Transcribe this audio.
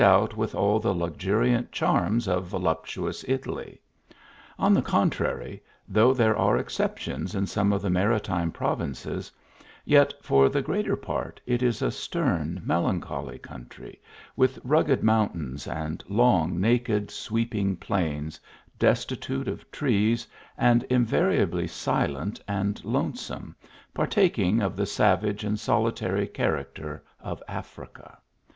it with all the luxuriant charms of voluptuous Italy. On the contrary, though there are exceptions in some of the maritime provinces, yet, for the greater part, it is a stern, melancholy country, with rugged moun tains and long, naked, sweeping plains, destitute of trees, and invariably silent and lonesome, partaking of the savage and solitary character of Africa.